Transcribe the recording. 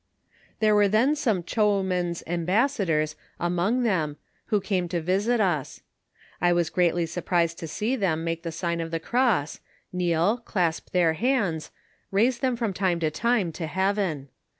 There were then some Ghoumans embassadors among them, who came to visit us ; I was agreeably surprised to see them make the sign of the cross, kneel, clasp their hands, raise them from time to time to heaven.